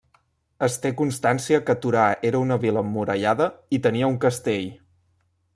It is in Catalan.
Es té constància que Torà era una vila emmurallada i tenia un castell.